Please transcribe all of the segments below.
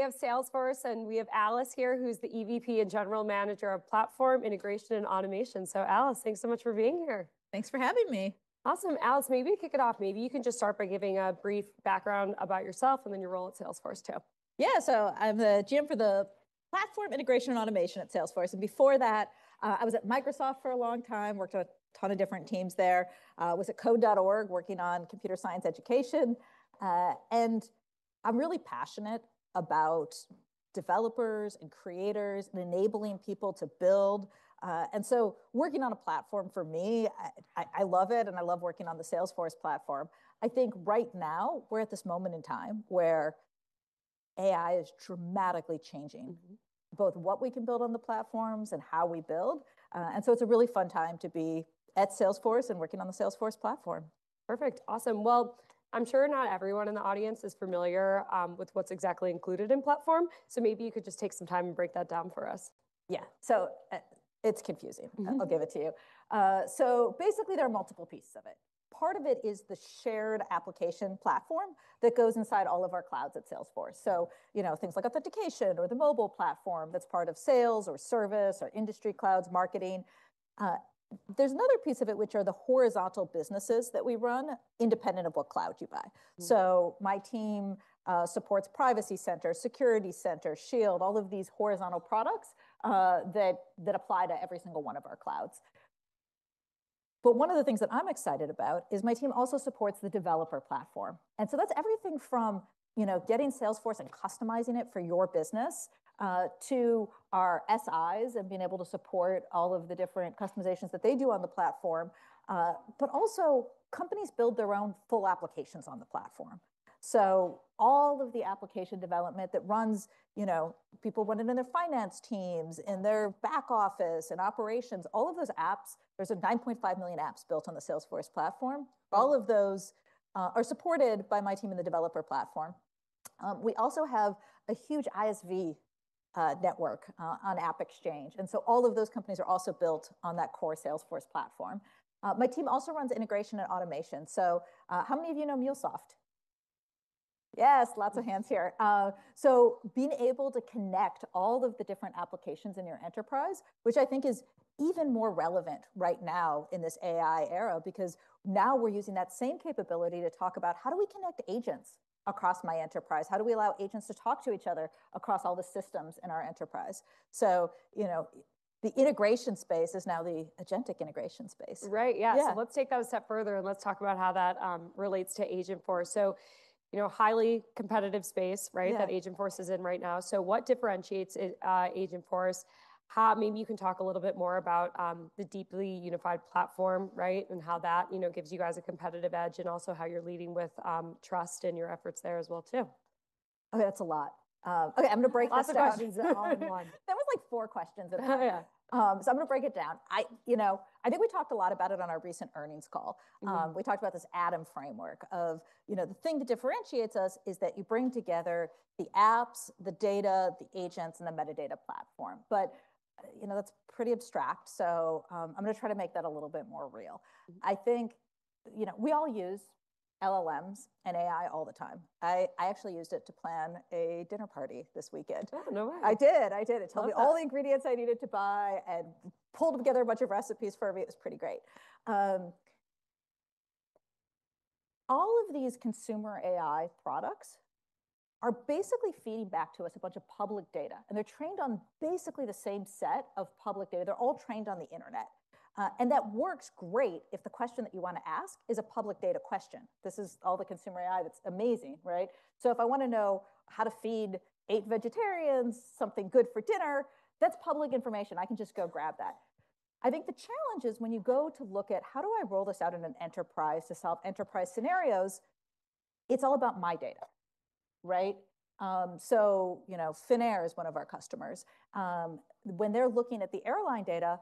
We have Salesforce, and we have Alice here, who's the EVP and General Manager of Platform Integration and Automation. Alice, thanks so much for being here. Thanks for having me. Awesome. Alice, maybe to kick it off, maybe you can just start by giving a brief background about yourself and then your role at Salesforce, too. Yeah, so I'm the GM for the Platform Integration Automation at Salesforce. Before that, I was at Microsoft for a long time, worked on a ton of different teams there, was at Code.org, working on computer science education. I'm really passionate about developers and creators and enabling people to build. Working on a platform, for me, I love it, and I love working on the Salesforce platform. I think right now we're at this moment in time where AI is dramatically changing both what we can build on the platforms and how we build. It's a really fun time to be at Salesforce and working on the Salesforce platform. Perfect. Awesome. I'm sure not everyone in the audience is familiar with what's exactly included in platform. Maybe you could just take some time and break that down for us. Yeah, so it's confusing. I'll give it to you. Basically, there are multiple pieces of it. Part of it is the shared application platform that goes inside all of our clouds at Salesforce. Things like authentication or the mobile platform that's part of sales or service or industry clouds, marketing. There's another piece of it, which are the horizontal businesses that we run independent of what cloud you buy. My team supports Privacy Center, Security Center, Shield, all of these horizontal products that apply to every single one of our clouds. One of the things that I'm excited about is my team also supports the developer platform. That's everything from getting Salesforce and customizing it for your business to our SIS and being able to support all of the different customizations that they do on the platform. Also, companies build their own full applications on the platform. All of the application development that runs people running in their finance teams and their back office and operations, all of those apps, there are 9.5 million apps built on the Salesforce platform. All of those are supported by my team in the developer platform. We also have a huge ISV network on AppExchange. All of those companies are also built on that core Salesforce platform. My team also runs integration and automation. How many of you know MuleSoft? Yes, lots of hands here. Being able to connect all of the different applications in your enterprise, which I think is even more relevant right now in this AI era, because now we're using that same capability to talk about how do we connect agents across my enterprise? How do we allow agents to talk to each other across all the systems in our enterprise? The integration space is now the agentic integration space. Right, yeah. Let's take that a step further, and let's talk about how that relates to Agentforce. Highly competitive space that Agentforce is in right now. What differentiates Agentforce? Maybe you can talk a little bit more about the deeply unified platform and how that gives you guys a competitive edge and also how you're leading with trust in your efforts there as well, too. Oh, that's a lot. Okay, I'm going to break this down. Lots of questions in all in one. That was like four questions at the time. I am going to break it down. I think we talked a lot about it on our recent earnings call. We talked about this A.D.A.M. framework of the thing that differentiates us is that you bring together the apps, the data, the agents, and the metadata platform. That is pretty abstract. I am going to try to make that a little bit more real. I think we all use LLMs and AI all the time. I actually used it to plan a dinner party this weekend. Oh, no way. I did. I did. It told me all the ingredients I needed to buy and pulled together a bunch of recipes for me. It was pretty great. All of these consumer AI products are basically feeding back to us a bunch of public data. And they're trained on basically the same set of public data. They're all trained on the internet. That works great if the question that you want to ask is a public data question. This is all the consumer AI. That's amazing, right? If I want to know how to feed eight vegetarians something good for dinner, that's public information. I can just go grab that. I think the challenge is when you go to look at how do I roll this out in an enterprise to solve enterprise scenarios, it's all about my data, right? Finnair is one of our customers. When they're looking at the airline data,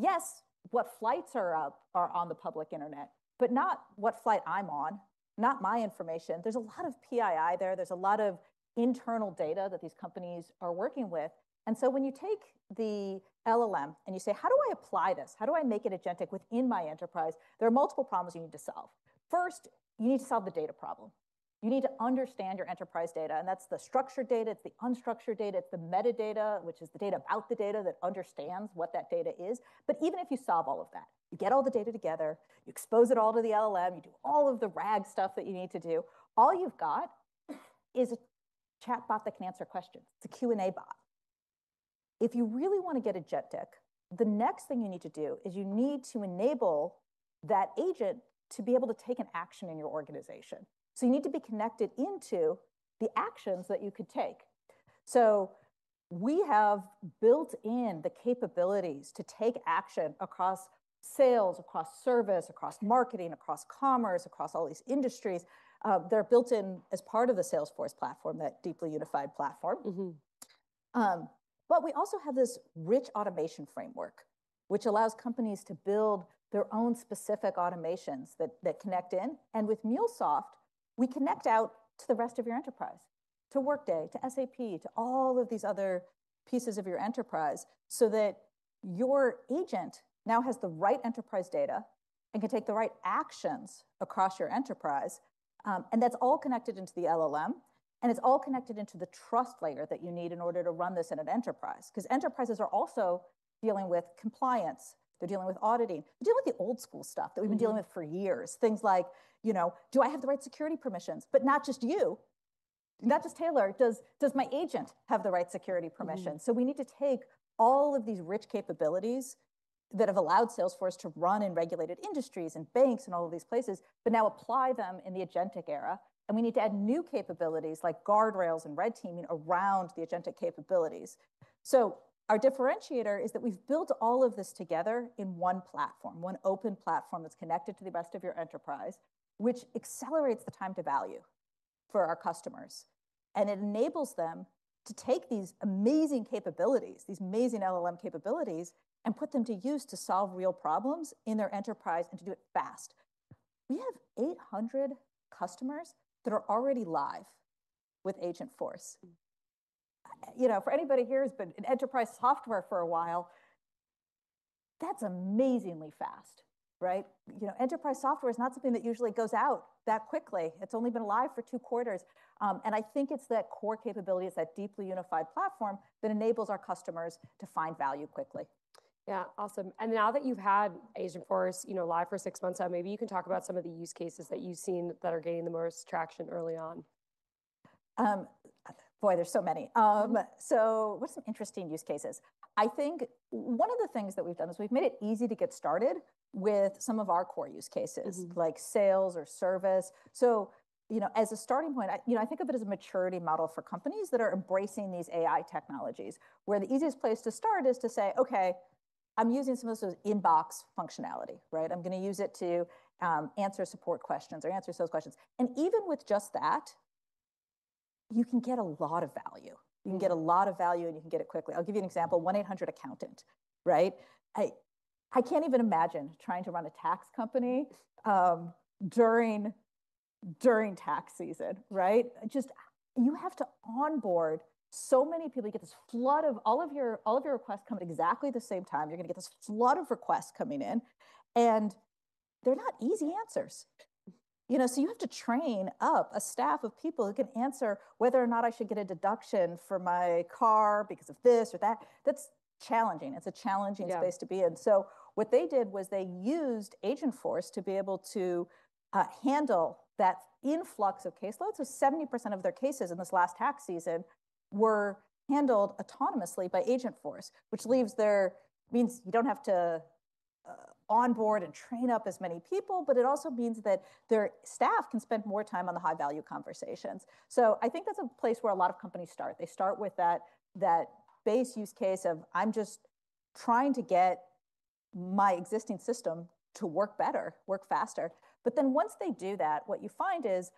yes, what flights are up are on the public internet, but not what flight I'm on, not my information. There's a lot of PII there. There's a lot of internal data that these companies are working with. When you take the LLM and you say, how do I apply this? How do I make it agentic within my enterprise? There are multiple problems you need to solve. First, you need to solve the data problem. You need to understand your enterprise data. That's the structured data. It's the unstructured data. It's the metadata, which is the data about the data that understands what that data is. Even if you solve all of that, you get all the data together, you expose it all to the LLM, you do all of the RAG stuff that you need to do, all you've got is a chatbot that can answer questions. It's a Q&A bot. If you really want to get agentic, the next thing you need to do is you need to enable that agent to be able to take an action in your organization. You need to be connected into the actions that you could take. We have built in the capabilities to take action across sales, across service, across marketing, across commerce, across all these industries. They're built in as part of the Salesforce platform, that deeply unified platform. We also have this rich automation framework, which allows companies to build their own specific automations that connect in. With MuleSoft, we connect out to the rest of your enterprise, to Workday, to SAP, to all of these other pieces of your enterprise so that your agent now has the right enterprise data and can take the right actions across your enterprise. That is all connected into the LLM. It is all connected into the trust layer that you need in order to run this in an enterprise. Enterprises are also dealing with compliance. They are dealing with auditing. They are dealing with the old school stuff that we have been dealing with for years, things like, do I have the right security permissions? Not just you, not just Taylor. Does my agent have the right security permissions? We need to take all of these rich capabilities that have allowed Salesforce to run in regulated industries and banks and all of these places, but now apply them in the agentic era. We need to add new capabilities like guardrails and red teaming around the agentic capabilities. Our differentiator is that we've built all of this together in one platform, one open platform that's connected to the rest of your enterprise, which accelerates the time to value for our customers. It enables them to take these amazing capabilities, these amazing LLM capabilities, and put them to use to solve real problems in their enterprise and to do it fast. We have 800 customers that are already live with Agentforce. For anybody here who's been in enterprise software for a while, that's amazingly fast, right? Enterprise software is not something that usually goes out that quickly. It's only been live for two quarters. I think it's that core capability, it's that deeply unified platform that enables our customers to find value quickly. Yeah, awesome. Now that you've had Agentforce live for six months out, maybe you can talk about some of the use cases that you've seen that are gaining the most traction early on. Boy, there's so many. What are some interesting use cases? I think one of the things that we've done is we've made it easy to get started with some of our core use cases, like sales or service. As a starting point, I think of it as a maturity model for companies that are embracing these AI technologies, where the easiest place to start is to say, okay, I'm using some of those inbox functionality. I'm going to use it to answer support questions or answer sales questions. Even with just that, you can get a lot of value. You can get a lot of value, and you can get it quickly. I'll give you an example, 1-800Accountant. I can't even imagine trying to run a tax company during tax season. You have to onboard so many people. You get this flood of all of your requests come at exactly the same time. You're going to get this flood of requests coming in. And they're not easy answers. You have to train up a staff of people who can answer whether or not I should get a deduction for my car because of this or that. That's challenging. It's a challenging space to be in. What they did was they used Agentforce to be able to handle that influx of caseloads. 70% of their cases in this last tax season were handled autonomously by Agentforce, which means you don't have to onboard and train up as many people, but it also means that their staff can spend more time on the high-value conversations. I think that's a place where a lot of companies start. They start with that base use case of, I'm just trying to get my existing system to work better, work faster. Once they do that, what you find is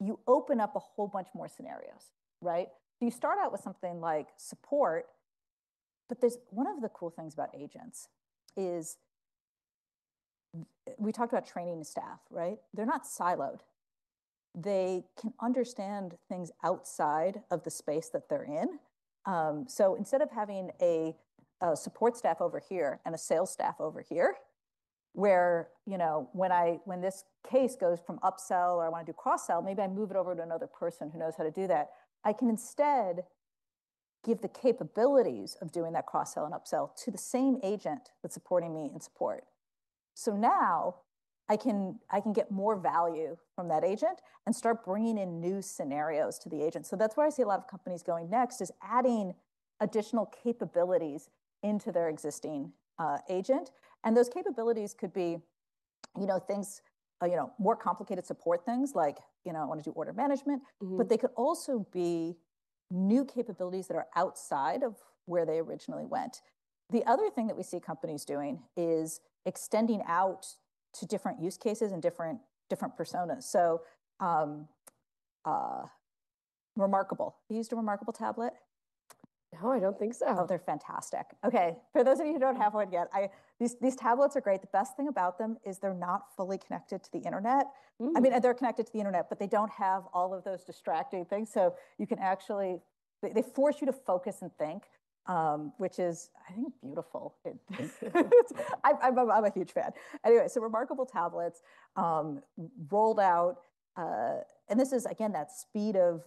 you open up a whole bunch more scenarios. You start out with something like support. One of the cool things about agents is we talked about training staff, right? They're not siloed. They can understand things outside of the space that they're in. Instead of having a support staff over here and a sales staff over here, where when this case goes from upsell or I want to do cross-sell, maybe I move it over to another person who knows how to do that. I can instead give the capabilities of doing that cross-sell and upsell to the same agent that's supporting me in support. Now I can get more value from that agent and start bringing in new scenarios to the agent. That is where I see a lot of companies going next, adding additional capabilities into their existing agent. Those capabilities could be more complicated support things like, I want to do order management. They could also be new capabilities that are outside of where they originally went. The other thing that we see companies doing is extending out to different use cases and different personas. So reMarkable. Have you used a reMarkable tablet? No, I don't think so. Oh, they're fantastic. Okay, for those of you who don't have one yet, these tablets are great. The best thing about them is they're not fully connected to the internet. I mean, they're connected to the internet, but they don't have all of those distracting things. You can actually, they force you to focus and think, which is, I think, beautiful. I'm a huge fan. Anyway, so reMarkable tablets rolled out. This is, again, that speed of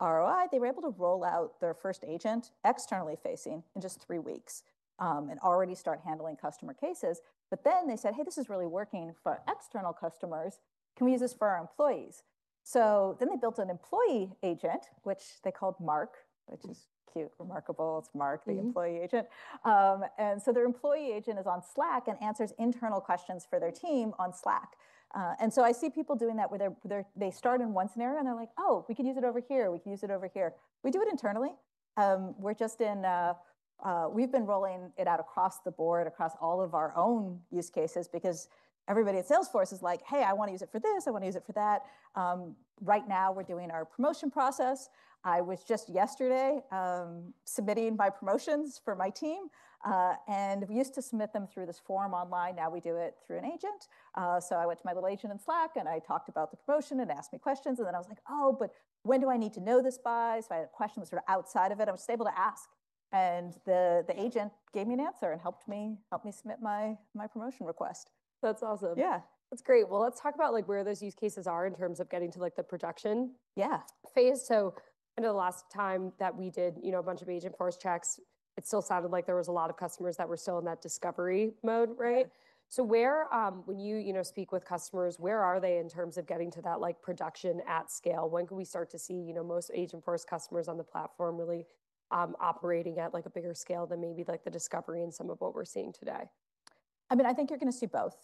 ROI. They were able to roll out their first agent externally facing in just three weeks and already start handling customer cases. They said, hey, this is really working for external customers. Can we use this for our employees? They built an employee agent, which they called Mark, which is cute, reMarkable. It's Mark, the employee agent. Their employee agent is on Slack and answers internal questions for their team on Slack. I see people doing that where they start in one scenario, and they're like, oh, we can use it over here. We can use it over here. We do it internally. We've been rolling it out across the board, across all of our own use cases, because everybody at Salesforce is like, hey, I want to use it for this. I want to use it for that. Right now, we're doing our promotion process. I was just yesterday submitting my promotions for my team. We used to submit them through this form online. Now we do it through an agent. I went to my little agent in Slack, and I talked about the promotion and it asked me questions. I was like, oh, but when do I need to know this by? I had a question that was sort of outside of it. I was just able to ask. The agent gave me an answer and helped me submit my promotion request. That's awesome. Yeah. That's great. Let's talk about where those use cases are in terms of getting to the production phase. Kind of the last time that we did a bunch of Agentforce checks, it still sounded like there was a lot of customers that were still in that discovery mode, right? When you speak with customers, where are they in terms of getting to that production at scale? When can we start to see most Agentforce customers on the platform really operating at a bigger scale than maybe the discovery and some of what we're seeing today? I mean, I think you're going to see both.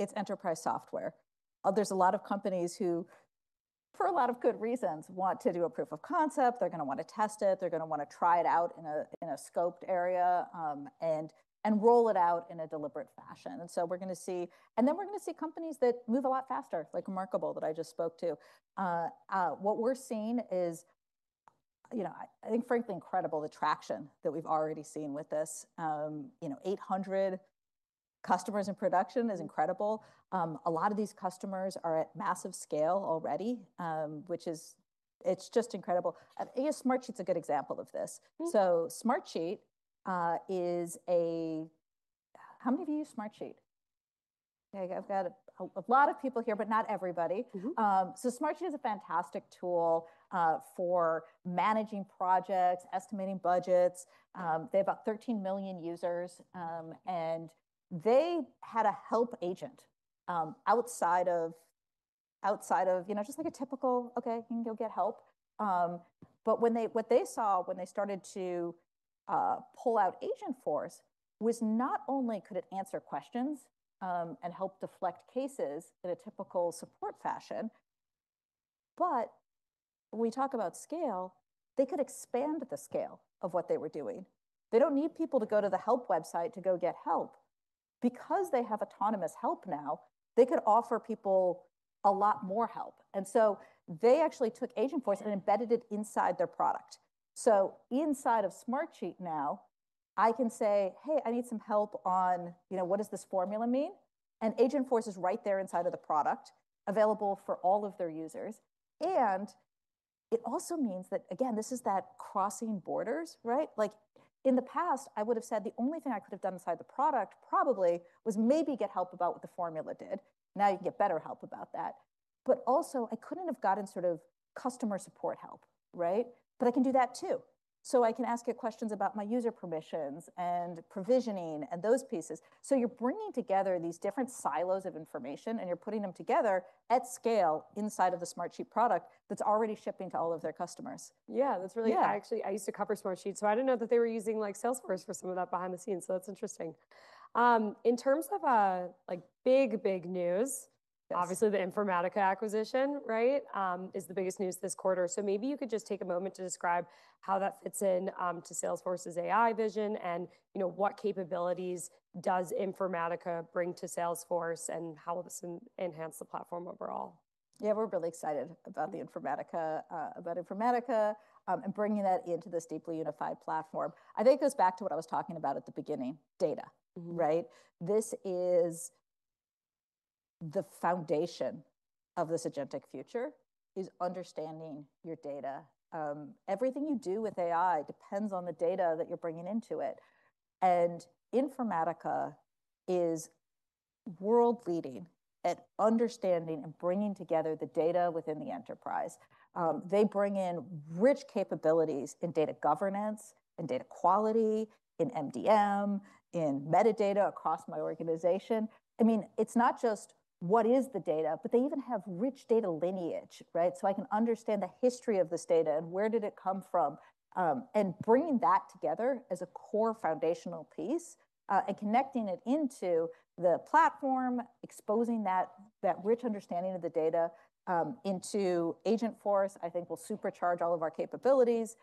It's enterprise software. There's a lot of companies who, for a lot of good reasons, want to do a proof of concept. They're going to want to test it. They're going to want to try it out in a scoped area and roll it out in a deliberate fashion. We're going to see, and then we're going to see companies that move a lot faster, like reMarkable that I just spoke to. What we're seeing is, I think, frankly, incredible, the traction that we've already seen with this. 800 customers in production is incredible. A lot of these customers are at massive scale already, which is just incredible. I guess Smartsheet's a good example of this. Smartsheet is a how many of you use Smartsheet? I've got a lot of people here, but not everybody. Smartsheet is a fantastic tool for managing projects, estimating budgets. They have about 13 million users. They had a help agent outside of just like a typical, okay, you can go get help. What they saw when they started to pull out Agentforce was not only could it answer questions and help deflect cases in a typical support fashion, but when we talk about scale, they could expand the scale of what they were doing. They do not need people to go to the help website to go get help. Because they have autonomous help now, they could offer people a lot more help. They actually took Agentforce and embedded it inside their product. Inside of Smartsheet now, I can say, hey, I need some help on what does this formula mean? Agentforce is right there inside of the product, available for all of their users. It also means that, again, this is that crossing borders, right? In the past, I would have said the only thing I could have done inside the product probably was maybe get help about what the formula did. Now you can get better help about that. Also, I could not have gotten sort of customer support help, right? I can do that too. I can ask you questions about my user permissions and provisioning and those pieces. You are bringing together these different silos of information, and you are putting them together at scale inside of the Smartsheet product that is already shipping to all of their customers. Yeah, that's really I used to cover Smartsheet. I didn't know that they were using Salesforce for some of that behind the scenes. That's interesting. In terms of big, big news, obviously, the Informatica acquisition is the biggest news this quarter. Maybe you could just take a moment to describe how that fits into Salesforce's AI vision and what capabilities Informatica brings to Salesforce and how it's going to enhance the platform overall. Yeah, we're really excited about Informatica and bringing that into this deeply unified platform. I think it goes back to what I was talking about at the beginning, data, right? This is the foundation of this agentic future is understanding your data. Everything you do with AI depends on the data that you're bringing into it. Informatica is world-leading at understanding and bringing together the data within the enterprise. They bring in rich capabilities in data governance, in data quality, in MDM, in metadata across my organization. I mean, it's not just what is the data, but they even have rich data lineage, right? So I can understand the history of this data and where did it come from. Bringing that together as a core foundational piece and connecting it into the platform, exposing that rich understanding of the data into Agentforce, I think, will supercharge all of our capabilities.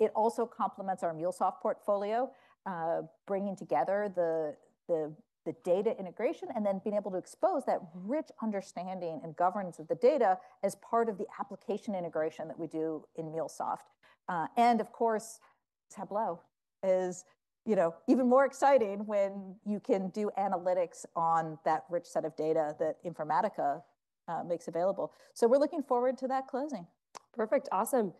It also complements our MuleSoft portfolio, bringing together the data integration and then being able to expose that rich understanding and governance of the data as part of the application integration that we do in MuleSoft. Of course, Tableau is even more exciting when you can do analytics on that rich set of data that Informatica makes available. We are looking forward to that closing. Perfect. Awesome.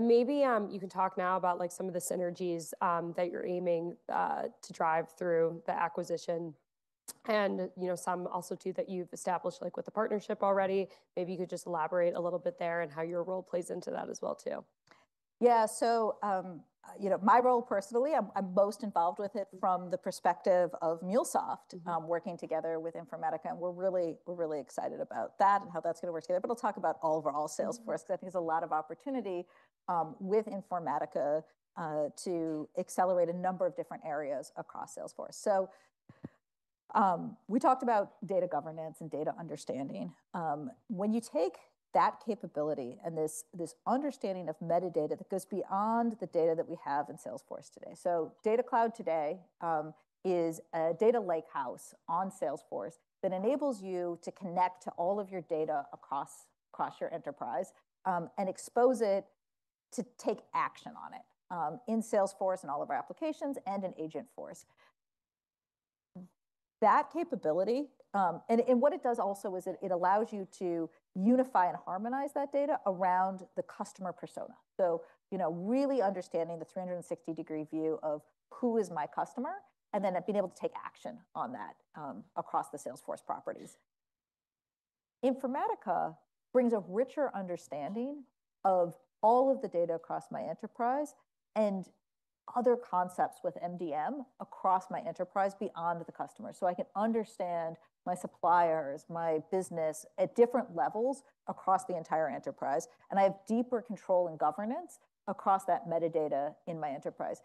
Maybe you can talk now about some of the synergies that you're aiming to drive through the acquisition and some also too that you've established with the partnership already. Maybe you could just elaborate a little bit there and how your role plays into that as well too. Yeah, so my role personally, I'm most involved with it from the perspective of MuleSoft working together with Informatica. We're really excited about that and how that's going to work together. I'll talk about all of our all Salesforce because I think there's a lot of opportunity with Informatica to accelerate a number of different areas across Salesforce. We talked about data governance and data understanding. When you take that capability and this understanding of metadata that goes beyond the data that we have in Salesforce today, Data Cloud today is a data lakehouse on Salesforce that enables you to connect to all of your data across your enterprise and expose it to take action on it in Salesforce and all of our applications and in Agentforce. That capability and what it does also is it allows you to unify and harmonize that data around the customer persona. So really understanding the 360-degree view of who is my customer and then being able to take action on that across the Salesforce properties. Informatica brings a richer understanding of all of the data across my enterprise and other concepts with MDM across my enterprise beyond the customer. So I can understand my suppliers, my business at different levels across the entire enterprise. I have deeper control and governance across that metadata in my enterprise.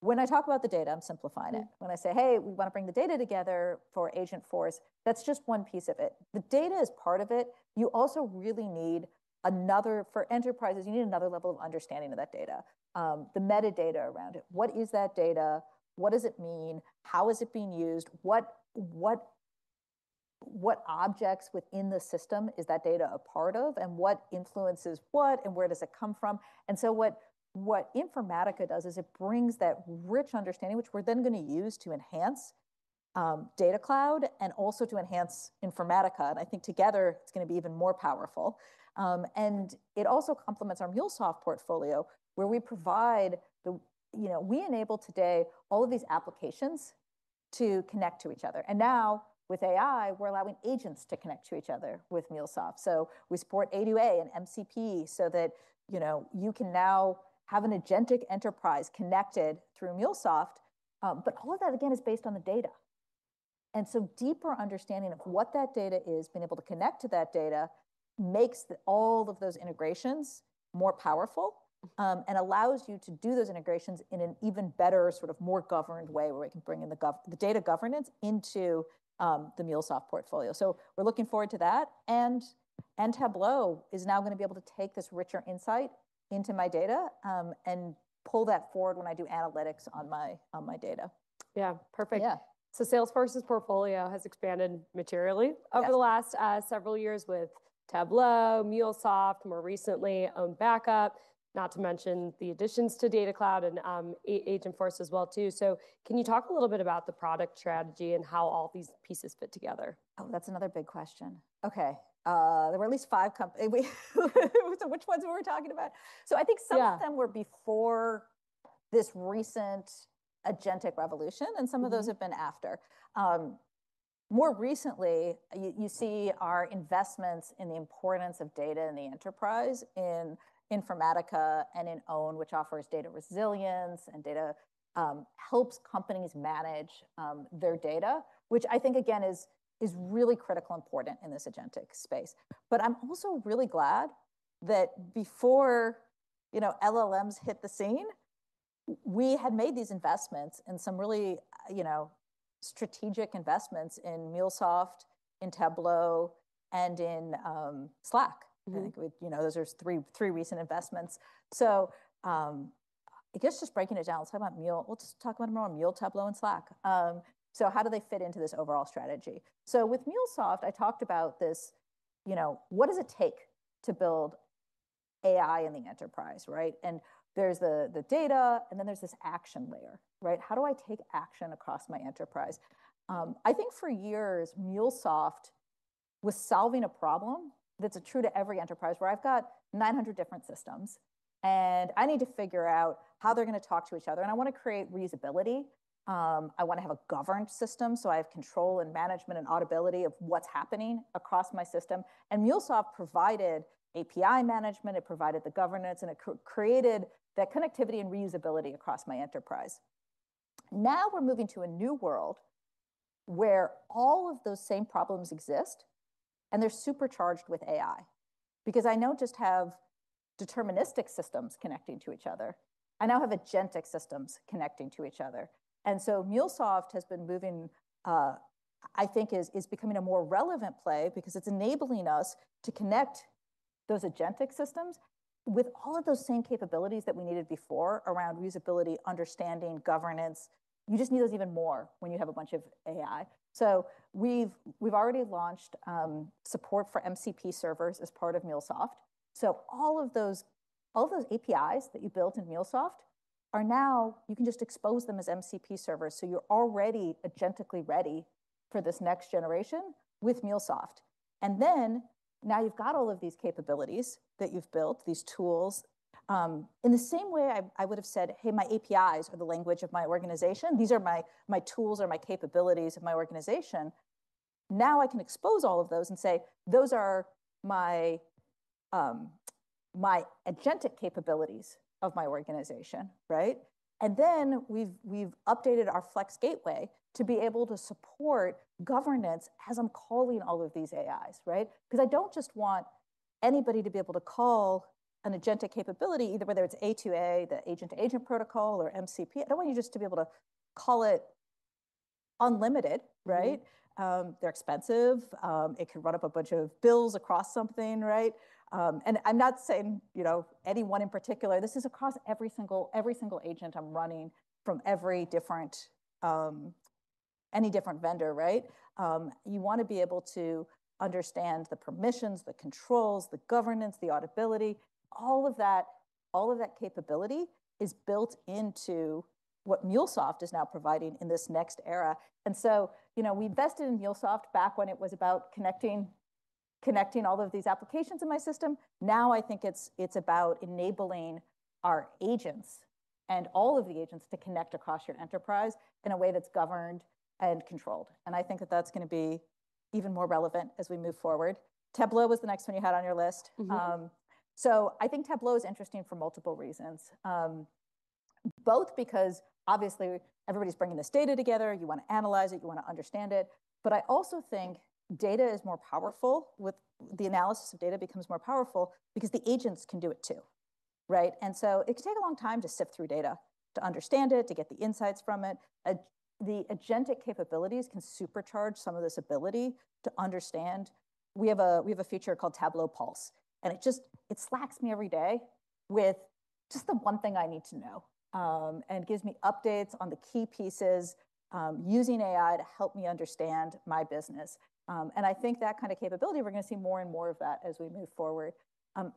When I talk about the data, I'm simplifying it. When I say, hey, we want to bring the data together for Agentforce, that's just one piece of it. The data is part of it. You also really need another for enterprises, you need another level of understanding of that data, the metadata around it. What is that data? What does it mean? How is it being used? What objects within the system is that data a part of? What influences what? Where does it come from? What Informatica does is it brings that rich understanding, which we're then going to use to enhance Data Cloud and also to enhance Informatica. I think together, it's going to be even more powerful. It also complements our MuleSoft portfolio, where we provide, we enable today all of these applications to connect to each other. Now with AI, we're allowing agents to connect to each other with MuleSoft. We support A2A and MCP so that you can now have an agentic enterprise connected through MuleSoft. All of that, again, is based on the data. A deeper understanding of what that data is, being able to connect to that data, makes all of those integrations more powerful and allows you to do those integrations in an even better, more governed way where we can bring in the data governance into the MuleSoft portfolio. We are looking forward to that. Tableau is now going to be able to take this richer insight into my data and pull that forward when I do analytics on my data. Yeah, perfect. Salesforce's portfolio has expanded materially over the last several years with Tableau, MuleSoft, more recently OwnBackup, not to mention the additions to Data Cloud and Agentforce as well too. Can you talk a little bit about the product strategy and how all these pieces fit together? Oh, that's another big question. Okay, there were at least five companies. Which ones were we talking about? I think some of them were before this recent agentic revolution, and some of those have been after. More recently, you see our investments in the importance of data in the enterprise in Informatica and in Own, which offers data resilience and helps companies manage their data, which I think, again, is really critical and important in this agentic space. I'm also really glad that before LLMs hit the scene, we had made these investments and some really strategic investments in MuleSoft, in Tableau, and in Slack. I think those are three recent investments. I guess just breaking it down, let's talk about MuleSoft, Tableau, and Slack. How do they fit into this overall strategy? With MuleSoft, I talked about this. What does it take to build AI in the enterprise, right? There is the data, and then there is this action layer, right? How do I take action across my enterprise? I think for years, MuleSoft was solving a problem that's true to every enterprise where I've got 900 different systems, and I need to figure out how they're going to talk to each other. I want to create reusability. I want to have a governed system so I have control and management and audibility of what's happening across my system. MuleSoft provided API management. It provided the governance, and it created that connectivity and reusability across my enterprise. Now we're moving to a new world where all of those same problems exist, and they're supercharged with AI. Because I now just have deterministic systems connecting to each other. I now have agentic systems connecting to each other. MuleSoft has been moving, I think, is becoming a more relevant play because it's enabling us to connect those agentic systems with all of those same capabilities that we needed before around reusability, understanding, governance. You just need those even more when you have a bunch of AI. We've already launched support for MCP servers as part of MuleSoft. All of those APIs that you built in MuleSoft are now you can just expose them as MCP servers. You're already agentically ready for this next generation with MuleSoft. Now you've got all of these capabilities that you've built, these tools. In the same way, I would have said, hey, my APIs are the language of my organization. These are my tools or my capabilities of my organization. Now I can expose all of those and say, those are my agentic capabilities of my organization, right? And then we've updated our Flex Gateway to be able to support governance as I'm calling all of these AIs, right? Because I don't just want anybody to be able to call an agentic capability, either whether it's A2A, the agent-to-agent protocol, or MCP. I don't want you just to be able to call it unlimited, right? They're expensive. It can run up a bunch of bills across something, right? And I'm not saying anyone in particular. This is across every single agent I'm running from any different vendor, right? You want to be able to understand the permissions, the controls, the governance, the audibility. All of that capability is built into what MuleSoft is now providing in this next era. We invested in MuleSoft back when it was about connecting all of these applications in my system. Now I think it is about enabling our agents and all of the agents to connect across your enterprise in a way that is governed and controlled. I think that is going to be even more relevant as we move forward. Tableau was the next one you had on your list. I think Tableau is interesting for multiple reasons, both because obviously everybody is bringing this data together. You want to analyze it. You want to understand it. I also think data is more powerful with the analysis of data becomes more powerful because the agents can do it too, right? It can take a long time to sift through data, to understand it, to get the insights from it. The agentic capabilities can supercharge some of this ability to understand. We have a feature called Tableau Pulse. It just slacks me every day with just the one thing I need to know and gives me updates on the key pieces using AI to help me understand my business. I think that kind of capability, we're going to see more and more of that as we move forward.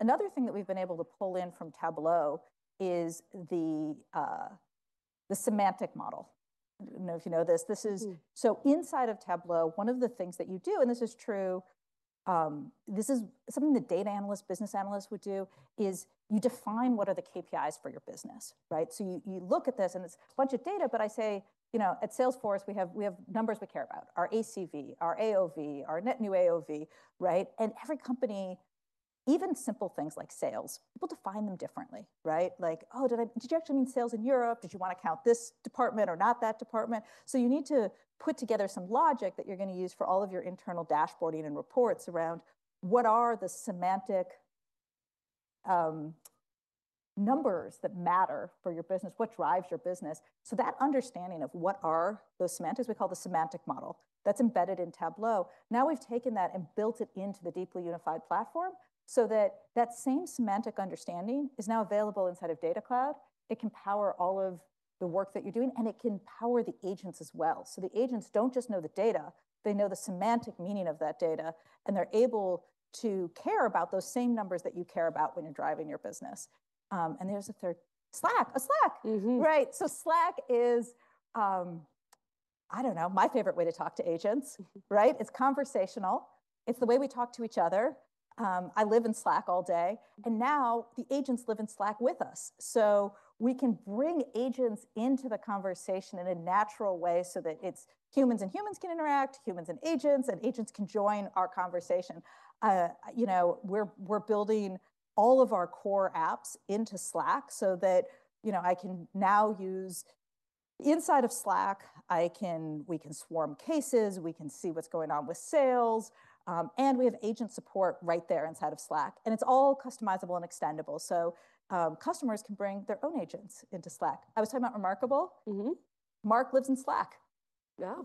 Another thing that we've been able to pull in from Tableau is the semantic model. I do not know if you know this. Inside of Tableau, one of the things that you do, and this is true, this is something that data analysts, business analysts would do, is you define what are the KPIs for your business, right? You look at this and it's a bunch of data. I say at Salesforce, we have numbers we care about, our ACV, our AOV, our net new AOV, right? Every company, even simple things like sales, people define them differently, right? Like, oh, did you actually mean sales in Europe? Did you want to count this department or not that department? You need to put together some logic that you're going to use for all of your internal dashboarding and reports around what are the semantic numbers that matter for your business, what drives your business. That understanding of what are those semantics, we call the semantic model that's embedded in Tableau. Now we've taken that and built it into the deeply unified platform so that that same semantic understanding is now available inside of Data Cloud. It can power all of the work that you're doing, and it can power the agents as well. The agents do not just know the data. They know the semantic meaning of that data. They are able to care about those same numbers that you care about when you are driving your business. There is a third Slack, a Slack, right? Slack is, I do not know, my favorite way to talk to agents, right? It is conversational. It is the way we talk to each other. I live in Slack all day. Now the agents live in Slack with us. We can bring agents into the conversation in a natural way so that it is humans and humans can interact, humans and agents, and agents can join our conversation. We are building all of our core apps into Slack so that I can now use inside of Slack, we can swarm cases, we can see what is going on with sales. We have agent support right there inside of Slack. It is all customizable and extendable. Customers can bring their own agents into Slack. I was talking about reMarkable. Mark lives in Slack.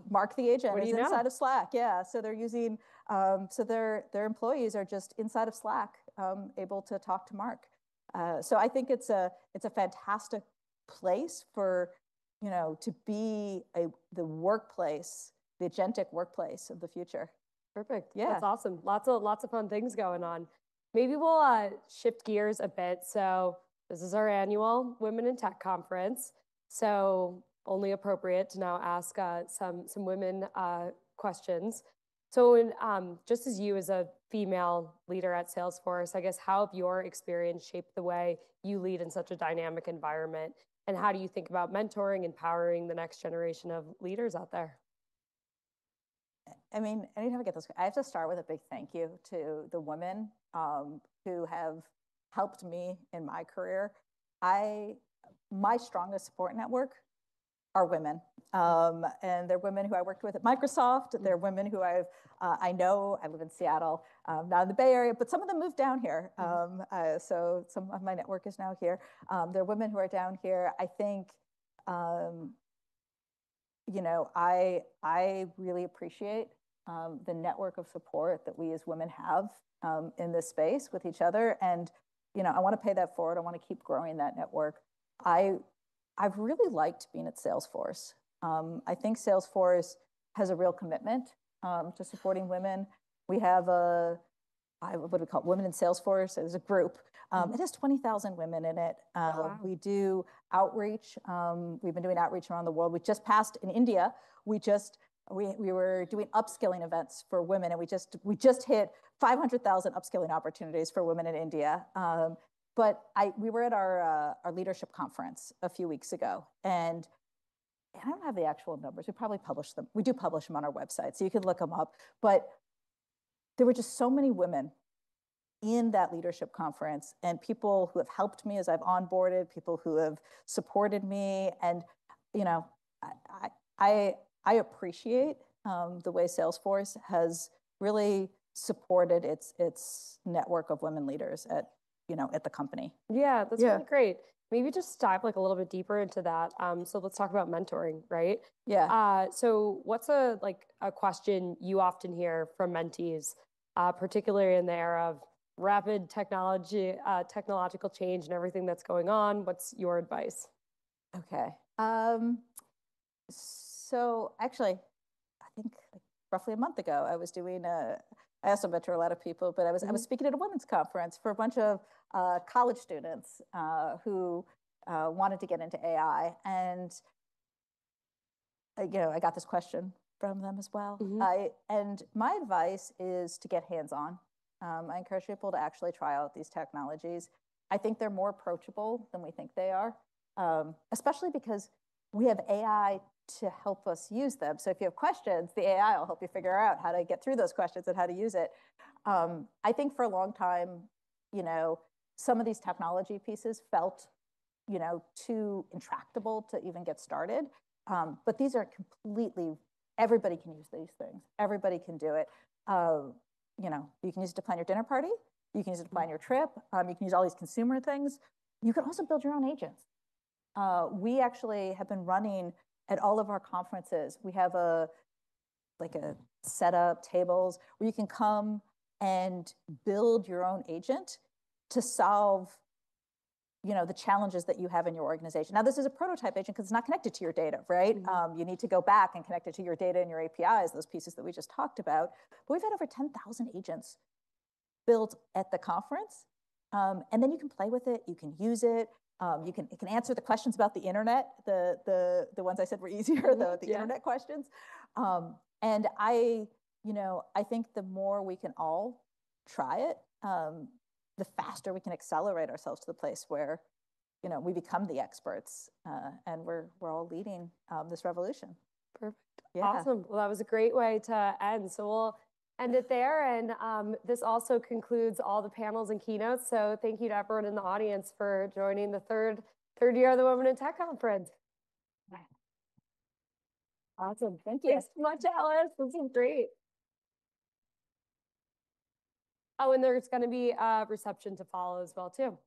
Mark the agent is inside of Slack. Their employees are just inside of Slack able to talk to Mark. I think it is a fantastic place to be the agentic workplace of the future. Perfect. Yeah, that's awesome. Lots of fun things going on. Maybe we'll shift gears a bit. This is our annual Women in Tech Conference. Only appropriate to now ask some women questions. Just as you as a female leader at Salesforce, I guess, how have your experience shaped the way you lead in such a dynamic environment? How do you think about mentoring, empowering the next generation of leaders out there? I mean, anytime I get those, I have to start with a big thank you to the women who have helped me in my career. My strongest support network are women. And they're women who I worked with at Microsoft. They're women who I know. I live in Seattle, not in the Bay Area, but some of them moved down here. So some of my network is now here. They're women who are down here. I think I really appreciate the network of support that we as women have in this space with each other. I want to pay that forward. I want to keep growing that network. I've really liked being at Salesforce. I think Salesforce has a real commitment to supporting women. We have what we call Women in Salesforce. It is a group. It has 20,000 women in it. We do outreach. We've been doing outreach around the world. We just passed in India. We were doing upskilling events for women. We just hit 500,000 upskilling opportunities for women in India. We were at our leadership conference a few weeks ago. I don't have the actual numbers. We probably published them. We do publish them on our website, so you can look them up. There were just so many women in that leadership conference and people who have helped me as I've onboarded, people who have supported me. I appreciate the way Salesforce has really supported its network of women leaders at the company. Yeah, that's really great. Maybe just dive a little bit deeper into that. Let's talk about mentoring, right? Yeah. What's a question you often hear from mentees, particularly in the era of rapid technological change and everything that's going on? What's your advice? okay. Actually, I think roughly a month ago, I was doing a, I also mentor a lot of people, but I was speaking at a women's conference for a bunch of college students who wanted to get into AI. I got this question from them as well. My advice is to get hands-on. I encourage people to actually try out these technologies. I think they're more approachable than we think they are, especially because we have AI to help us use them. If you have questions, the AI will help you figure out how to get through those questions and how to use it. I think for a long time, some of these technology pieces felt too intractable to even get started. These are completely, everybody can use these things. Everybody can do it. You can use it to plan your dinner party. You can use it to plan your trip. You can use all these consumer things. You can also build your own agents. We actually have been running at all of our conferences. We have a set of tables where you can come and build your own agent to solve the challenges that you have in your organization. Now, this is a prototype agent because it's not connected to your data, right? You need to go back and connect it to your data and your APIs, those pieces that we just talked about. We have had over 10,000 agents built at the conference. You can play with it. You can use it. It can answer the questions about the internet, the ones I said were easier, the internet questions. I think the more we can all try it, the faster we can accelerate ourselves to the place where we become the experts. We're all leading this revolution. Perfect. Awesome. That was a great way to end. We will end it there. This also concludes all the panels and keynotes. Thank you to everyone in the audience for joining the third year of the Women in Tech Conference. Awesome. Thank you. Thanks so much, Alice. This was great. Oh, and there's going to be a reception to follow as well, too.